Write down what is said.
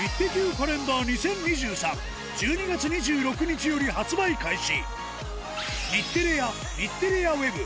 カレンダー２０２３、１２月２６日より発売開始。